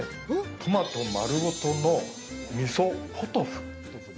トマト丸ごとの、みそポトフ。